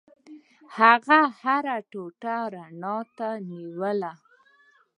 هغه هره ټوټه رڼا ته ونیوله.